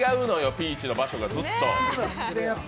ピーチの場所がずっと。